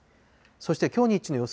そしてきょう日中の予想